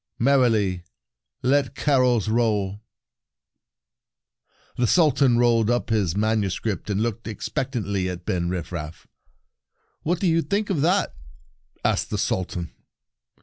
Merrily let carols roll !" The Sultan rolled up his manuscript, and looked expect antly at Ben Rifraf. "What do you think of that?" asked the Sultan.